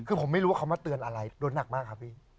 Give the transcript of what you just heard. คือผมไม่รู้ว่าเขามาเตือนอะไรโดนหนักมากครับพี่